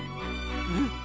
うん！